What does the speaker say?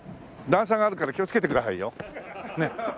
段差があるから気をつけてくださいよ。